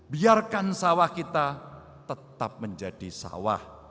biarkan sawah kita tetap menjadi sawah